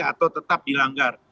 atau tetap dilanggar